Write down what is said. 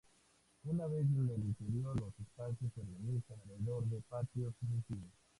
Una vez en el interior, los espacios se organizan alrededor de patios sucesivos.